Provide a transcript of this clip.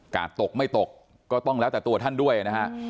ตกไม่ตกก็ต้องแล้วแต่ตัวท่านด้วยนะฮะ